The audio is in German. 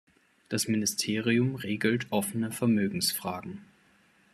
Das Ministerium regelt offene Vermögensfragen.